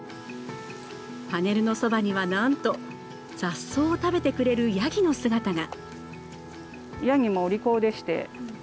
パネルのそばにはなんと雑草を食べてくれるヤギの姿が。